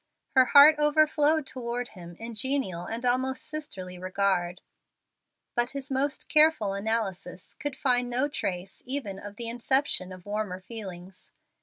Her heart overflowed toward him in a genial and almost sisterly regard, but his most careful analysis could find no trace even of the inception of warmer feelings.